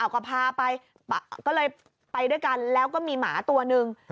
ก็พาไปก็เลยไปด้วยกันแล้วก็มีหมาตัวนึง